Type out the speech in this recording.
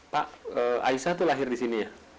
pak aisah tuh lahir disini ya